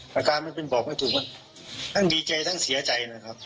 อาการมันเป็นบอกไม่ถูกทั้งดีใจทั้งเสียใจนะครับ